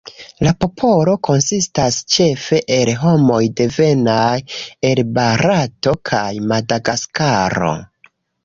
La popolo konsistas ĉefe el homoj devenaj el Barato kaj Madagaskaro.